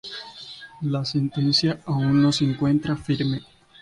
La sentencia aún no se encuentra firme.